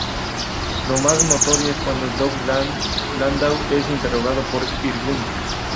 La más notoria es cuando Dov Landau es interrogado por el Irgún.